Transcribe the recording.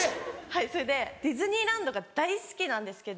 はいそれでディズニーランドが大好きなんですけど。